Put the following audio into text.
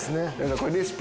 これレシピ？